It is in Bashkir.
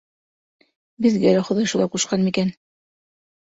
Беҙгә лә хоҙай шулай ҡушҡан микән